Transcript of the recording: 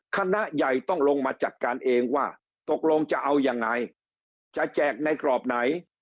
คณะใหญ่ต้องลงมาจัดการเองว่าตกลงจะเอายังไงจะแจกในกรอบไหน